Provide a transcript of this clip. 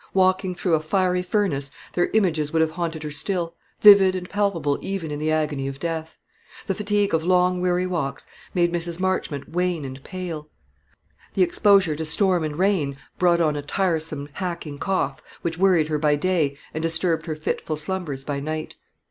Walking through a fiery furnace their images would have haunted her still, vivid and palpable even in the agony of death. The fatigue of the long weary walks made Mrs. Marchmont wan and pale; the exposure to storm and rain brought on a tiresome, hacking cough, which worried her by day and disturbed her fitful slumbers by night.